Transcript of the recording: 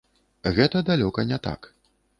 Гэта далёка не так.